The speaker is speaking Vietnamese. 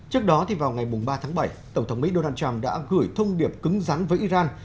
trước đó vào ngày ba tháng bảy tổng thống mỹ donald trump đã gửi thông điệp cứng rắn với iran